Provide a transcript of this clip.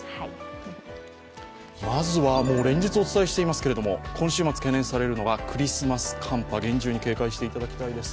まずは連日お伝えしていますけれども、今週末懸念されるのがクリスマス寒波、厳重に警戒していただきたいです。